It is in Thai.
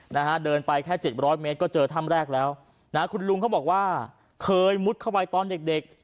นะฮะเดินไปแค่เจ็ดร้อยเมตรก็เจอถ้ำแรกแล้วนะคุณลุงเขาบอกว่าเคยมุดเข้าไปตอนเด็กเด็ก